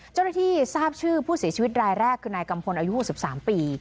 เจ้าหน้าที่ทราบชื่อผู้เสียชีวิตรายแรกคือนายกัมพลอายุ๖๓ปี